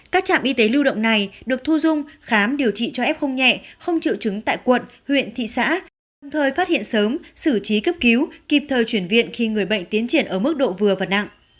các trạm y tế lưu động này được thu dung khám điều trị cho f không nhẹ không chịu chứng tại quận huyện thị xã đồng thời phát hiện sớm xử trí cấp cứu kịp thời chuyển viện khi người bệnh tiến triển ở mức độ vừa và nặng